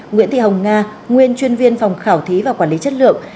nguyễn thị hồng nga nguyên chuyên viên phòng khảo thí và quản lý chất lượng